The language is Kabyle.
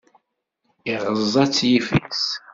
iɣeẓẓa-t yiffis.